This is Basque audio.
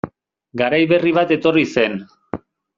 Garai berri bat etorri zen...